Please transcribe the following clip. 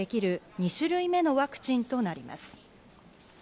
２種類目のワクチンとなります。